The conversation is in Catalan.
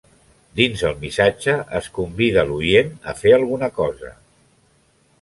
Dins el missatge es convida l'oient a fer alguna cosa.